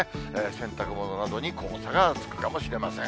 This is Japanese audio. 洗濯物などに黄砂がつくかもしれません。